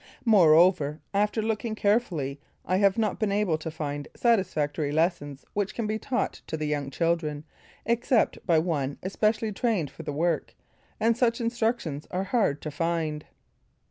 Moreover after looking carefully, I have not been able to find satisfactory lessons which can be taught to the young children except by one especially trained for the work; and such instructions are hard to find.